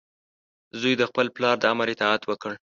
زوی د خپل پلار د امر اطاعت وکړ.